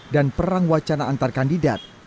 dan perang wacana antar kandidat